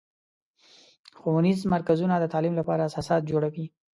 ښوونیز مرکزونه د تعلیم لپاره اساسات جوړوي.